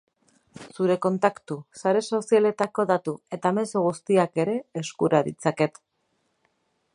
Zure kontaktu, sare sozialetako datu eta mezu guztiak ere eskura ditzaket.